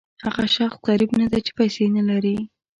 هغه شخص غریب نه دی چې پیسې نه لري.